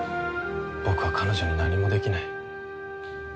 僕は彼女に何もできない。